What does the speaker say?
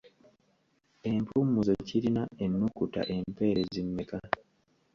Empumuzo kirina ennukuta empeerezi mmeka?